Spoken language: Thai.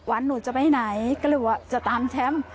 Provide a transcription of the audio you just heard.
วันหนูจะไปไหนก็เลยบอกว่าจะตามแช้ม